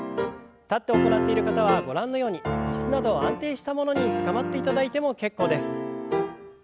立って行っている方はご覧のように椅子など安定したものにつかまっていただいても結構です。